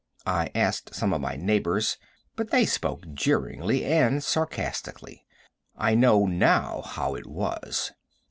I asked some of my neighbors, but they spoke jeeringly and sarcastically. I know now how it was.